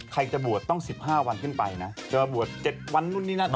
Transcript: ใครจะบวชต้อง๑๕วันขึ้นไปนะเดี๋ยวบวช๗วันนู้นนี่น่ะ